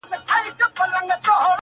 مرګي ته ورځې لنډول خانيه